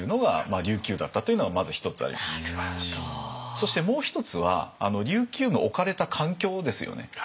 そしてもう一つは琉球の置かれた環境ですよね。